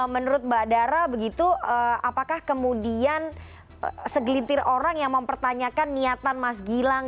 menurut mbak dara begitu apakah kemudian segelintir orang yang mempertanyakan niatan mas gilang